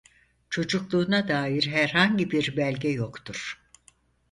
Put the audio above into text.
Çocukluğuna dair herhangi bir belge yoktur.